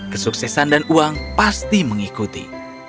kesuksesan dan uang pasti mengikuti